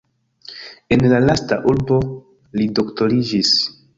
En la lasta urbo li doktoriĝis.